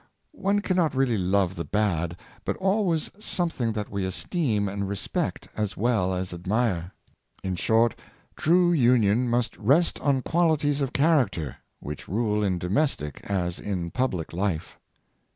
'' One cannot really love the bad, but always something that we esteem and respect as well as admire. In short, true union must rest on qualities of character, which rule in domestic as in public life.